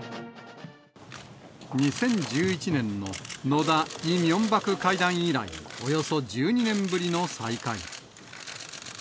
２０１１年の野田・イ・ミョンバク会談以来、およそ１２年ぶりの再開。